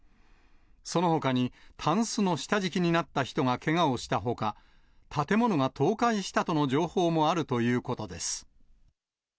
そのほかに、たんすの下敷きになった人がけがをしたほか、建物が倒壊したとの情報もあるということです。